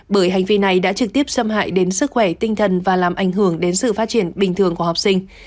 bởi hành vi này đã trực tiếp xâm hại đến sức khỏe tinh thần và làm ảnh hưởng đến sự phát triển bình thường của học sinh